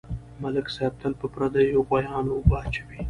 ملک صاحب تل په پردیو غویانواوبه اچوي.